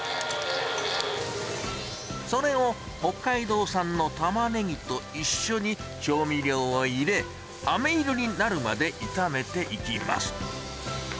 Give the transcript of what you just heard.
それを北海道産のタマネギと一緒に調味料を入れ、あめ色になるまで炒めていきます。